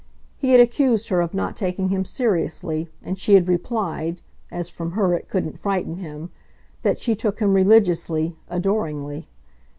He had accused her of not taking him seriously, and she had replied as from her it couldn't frighten him that she took him religiously, adoringly.